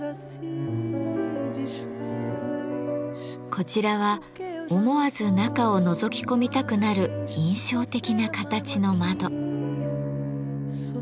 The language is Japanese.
こちらは思わず中をのぞき込みたくなる印象的な形の窓。